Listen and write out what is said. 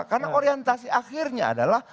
karena orientasi akhirnya adalah